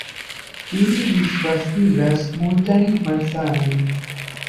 Ili disvastigas multajn malsanojn.